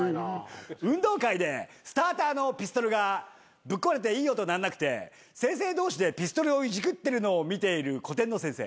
運動会でスターターのピストルがぶっ壊れていい音鳴んなくて先生同士でピストルをいじくってるのを見ている古典の先生。